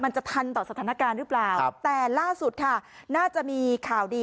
จะทันต่อสถานการณ์หรือเปล่าแต่ล่าสุดค่ะน่าจะมีข่าวดี